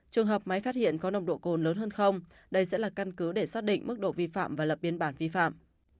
trường hợp máy phát hiện có nồng độ cồn lớn hơn không đây sẽ là căn cứ để xác định mức độ vi phạm và lập biên bản vi phạm